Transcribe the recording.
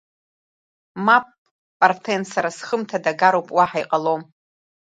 Мап, Парҭен сара схымҭа дагароуп, уаҳа иҟалом!